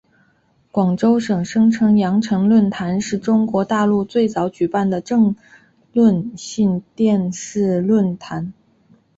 广州台声称羊城论坛是中国大陆最早举办的政论性电视论坛。